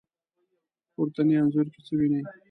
په پورتني انځور کې څه وينئ؟